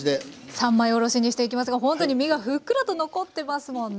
三枚おろしにしていきますがほんとに身がふっくらと残ってますもんね。